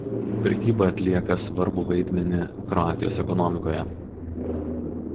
Prekyba atlieka svarbų vaidmenį Kroatijos ekonomikoje.